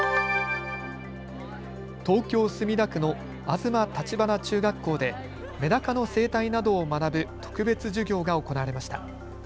東京墨田区の吾嬬立花中学校でメダカの生態などを学ぶ特別授業が行われました。